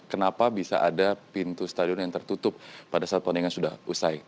kenapa bisa ada pintu stadion yang tertutup pada saat pertandingan sudah usai